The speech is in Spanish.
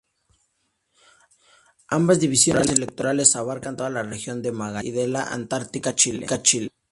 Ambas divisiones electorales abarcan toda la Región de Magallanes y de la Antártica Chile.